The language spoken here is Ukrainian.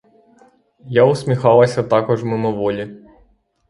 Я усміхалася також мимоволі.